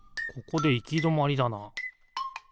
ここでいきどまりだな。